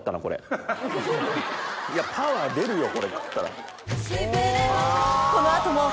パワー出るよこれだったら。